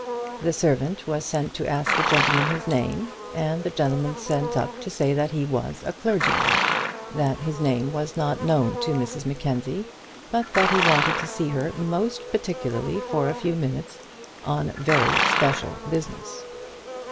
The servant was sent to ask the gentleman his name, and the gentleman sent up to say that he was a clergyman, that his name was not known to Mrs Mackenzie, but that he wanted to see her most particularly for a few minutes on very special business.